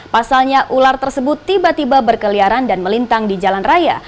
pasalnya ular tersebut tiba tiba berkeliaran dan melintang di jalan raya